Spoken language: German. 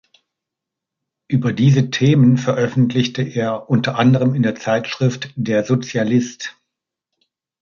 Über diese Themen veröffentlichte er unter anderem in der Zeitschrift Der Sozialist.